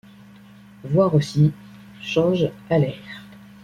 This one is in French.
Voir aussi: charge alaire.